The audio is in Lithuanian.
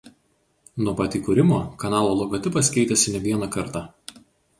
Nuo pat įkūrimo kanalo logotipas keitėsi ne vieną kartą.